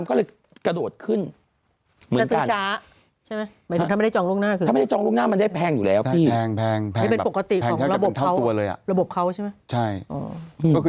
เว้นที่อ่ะหรือตอนนี้ยังมันจะเป็นแบบสามที่อย่างเงี้ย